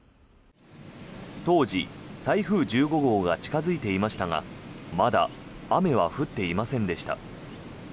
当時、台風１５号が近付いていましたがまだ雨は降っていませんでした。